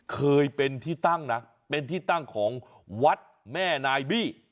เคยเป็นที่ตั้งนะเป็นที่ตั้งของวัดแม่นายบี้